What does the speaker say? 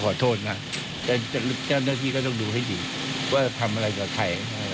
ขอโทษนะเจ้าหน้าที่ก็ต้องดูให้ดีว่าทำอะไรกับใคร